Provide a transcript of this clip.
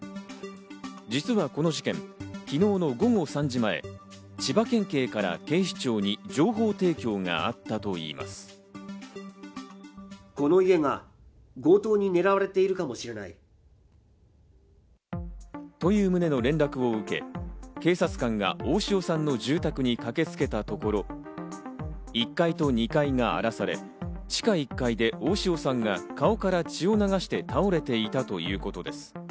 実はこの事件、昨日の午後３時前、千葉県警から警視庁に情報提供があったといいます。という旨の連絡を受け、警察官が大塩さんの住宅に駆けつけたところ、１階と２階が荒らされ、地下１階で大塩さんが顔から血を流して倒れていたということです。